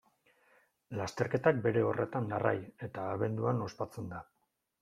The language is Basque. Lasterketak bere horretan darrai eta abenduan ospatzen da.